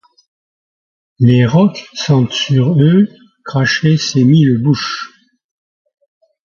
Les rocs sentent sur eux cracher ces mille bouches ;